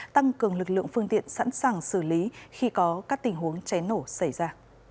tăng cường lực lượng phương tiện sẵn sàng xử lý khi có các tình huống cháy nổ xảy ra